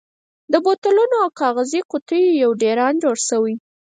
د بوتلونو او کاغذي قوتیو یو ډېران جوړ شوی.